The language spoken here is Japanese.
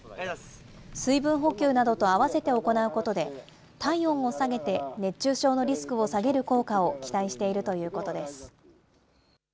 水分補給などと合わせて行うことで、体温を下げて、熱中症のリスクを下げる効果を期待しているということです。